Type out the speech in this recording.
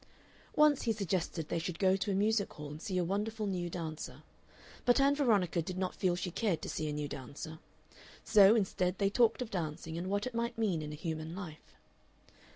Once he suggested they should go to a music hall and see a wonderful new dancer, but Ann Veronica did not feel she cared to see a new dancer. So, instead, they talked of dancing and what it might mean in a human life.